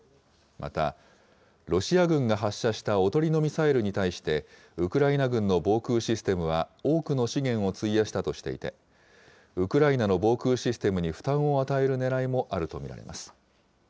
また、ロシア軍が発射したおとりのミサイルに対して、ウクライナ軍の防空システムは多くの資源を費やしたとしていて、ウクライナの防空システムに負担を与えるねらいもあると見られます。